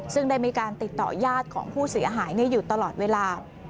ซึ่งได้มีการติดต่อยาดของผู้เสียหายอยู่ตลอดเวลา